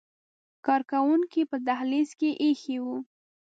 کارکوونکو په دهلیز کې ایښي وو.